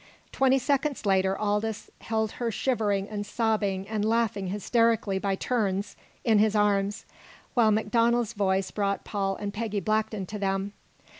Twenty seconds later Aldous held her shivering and sobbing and laughing hysterically by turns in his arms, while MacDonald's voice brought Paul and Peggy Blackton to them.